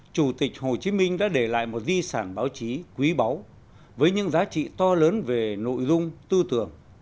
chủ tịch hồ chí minh đã để lại một di sản báo chí quý báu với những giá trị to lớn về nội dung tư tưởng